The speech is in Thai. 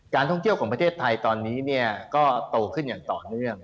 ท่องเที่ยวของประเทศไทยตอนนี้ก็โตขึ้นอย่างต่อเนื่อง